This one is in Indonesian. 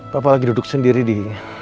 bapak lagi duduk sendiri di